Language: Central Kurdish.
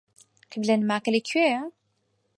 قیبلەنماکە لەکوێیە؟